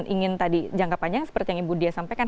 ingin tadi jangka panjang seperti yang ibu dia sampaikan